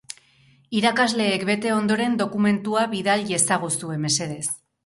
Irakasleek bete ondoren dokumentua bidal iezaguzue, mesedez.